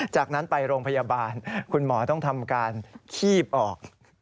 จากนั้นไปโรงพยาบาลคุณหมอต้องทำการคีบออก